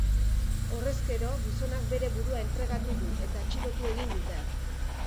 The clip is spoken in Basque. Horrezkero, gizonak bere burua entregatu du, eta atxilotu egin dute.